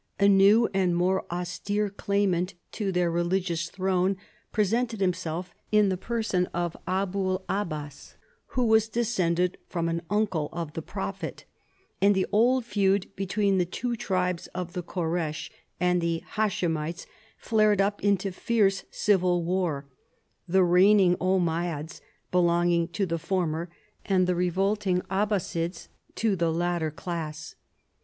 A new and more austere claimant to their religious throne presented himself in the person of Abul Abbas, who was descended from an uncle of the Prophet ; and the old feud between the two tribes of the Koreish* and the Ilaschimites flared up into fierce civil war, the reigning Ommayads belonging to the former, and the revolting Abbasides to the latter class.